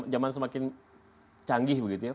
zaman semakin canggih begitu ya